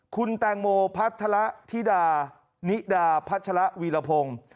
คุณแตงโมพัฒระธิดานิดาพัชระวีรพงศ์